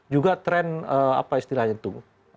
juga tren apa istilahnya itu